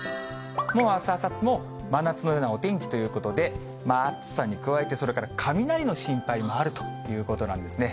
あす、あさっても真夏のようなお天気ということで、暑さに加えて、それから雷の心配もあるということなんですね。